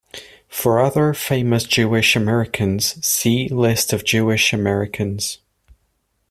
For other famous Jewish Americans, see List of Jewish Americans.